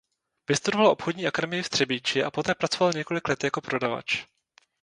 Vystudoval obchodní akademii v Třebíči a poté pracoval několik let jako prodavač.